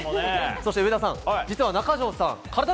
そして上田さん、実は中条さんカラダ